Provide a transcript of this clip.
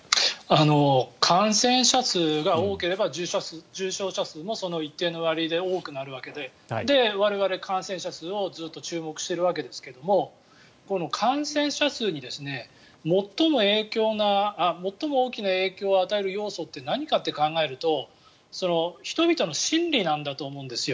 感染者数が多ければ重症者数もその一定の割合で多くなるわけで我々、感染者数をずっと注目しているわけですが感染者数に最も大きな影響を与える要素って何かって考えると人々の心理なんだと思うんですよ。